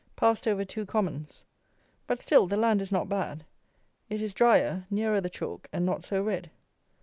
Passed over two commons. But, still, the land is not bad. It is drier; nearer the chalk, and not so red.